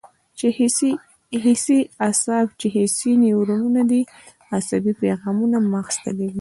حسي اعصاب چې حسي نیورونونه دي عصبي پیغامونه مغز ته لېږدوي.